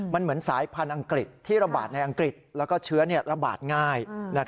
มันเหมือนสายพันธุ์อังกฤษที่ระบาดในอังกฤษแล้วก็เชื้อระบาดง่าย